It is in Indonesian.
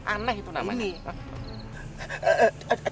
aneh itu namanya